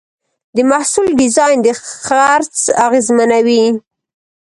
د محصول ډیزاین د خرڅ اغېزمنوي.